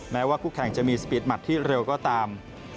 แม้ว่าคู่แข่งจะมีสปีดมัดที่เร็วก็ตาม